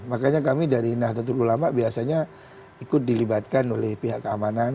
makanya kami dari nahdlatul ulama biasanya ikut dilibatkan oleh pihak keamanan